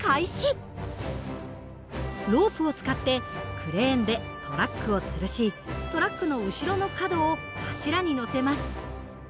ロープを使ってクレーンでトラックをつるしトラックの後ろの角を柱に載せます。